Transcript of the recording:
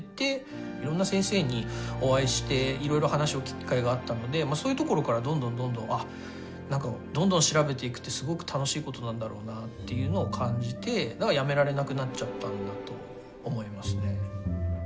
いろんな先生にお会いしていろいろ話を聞く機会があったのでそういうところからどんどんどんどんあっ何かどんどん調べていくってすごく楽しいことなんだろうなっていうのを感じてやめられなくなっちゃったんだと思いますね。